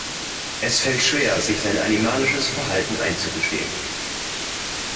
Es fällt schwer, sich sein animalisches Verhalten einzugestehen.